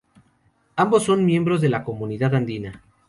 Ambos son miembros de la Comunidad Andina.